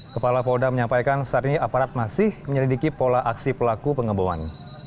kepala polda menyampaikan saat ini aparat masih menyelidiki pola aksi pelaku pengeboman